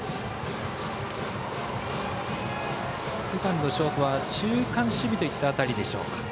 セカンド、ショートは中間守備といった辺りでしょうか。